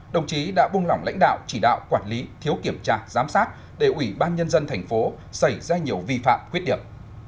đồng chí đã buông lỏng lãnh đạo chỉ đạo quản lý thiếu kiểm tra giám sát để ủy ban nhân dân thành phố xảy ra nhiều vi phạm khuyết điểm